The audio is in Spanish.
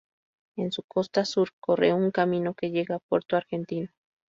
En su costa sur corre un camino que llega a Puerto Argentino.